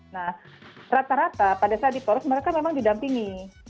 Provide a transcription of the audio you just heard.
nah rata rata pada saat di poros mereka memang didampingi